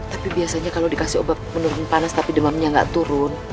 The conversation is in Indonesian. tapi biasanya kalau dikasih obat menurun panas tapi demamnya nggak turun